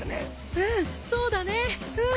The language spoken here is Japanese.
うんそうだねうん。